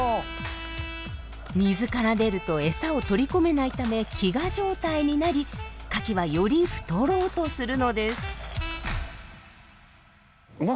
水から出るとエサを取り込めないため飢餓状態になりカキはより太ろうとするのです。